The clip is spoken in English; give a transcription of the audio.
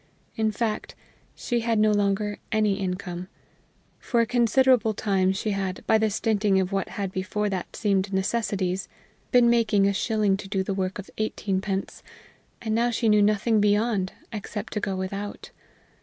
In fact, she had no longer any income. For a considerable time she had, by the stinting of what had before that seemed necessities, been making a shilling do the work of eighteenpence, and now she knew nothing beyond, except to go without.